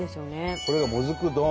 これがもずく丼。